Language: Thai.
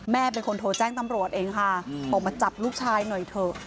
แม่เป็นคนโทรแจ้งตำรวจเองค่ะออกมาจับลูกชายหน่อยเถอะ